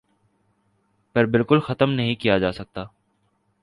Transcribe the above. پر بالکل ختم نہیں کیا جاسکتا